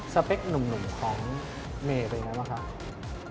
สเปคหนุ่มของเมย์เป็นยังไงบ้างครับ